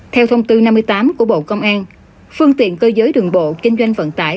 theo thông tư năm mươi tám của bộ công an phương tiện cơ giới đường bộ kinh doanh vận tải